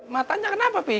matanya kenapa pi